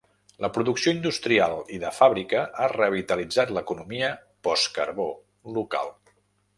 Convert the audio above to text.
La producció industrial i de fàbrica ha revitalitzat l'economia post-carbó local.